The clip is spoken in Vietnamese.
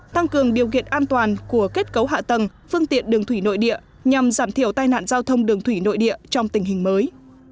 tăng cường điều kiện an toàn của kết cấu hạ tầng phương tiện đường thủy nội địa nhằm giảm thiểu tai nạn giao thông đường thủy nội địa trong tình hình mới